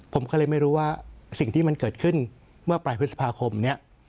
ผมก็เลยไม่รู้ว่าสิ่งที่มันเกิดขึ้นเมื่อปลายพฤษภาคมนี้